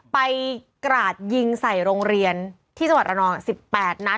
กราดยิงใส่โรงเรียนที่จังหวัดระนอง๑๘นัด